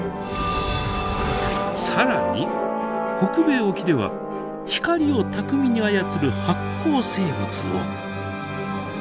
更に北米沖では光を巧みに操る発光生物を。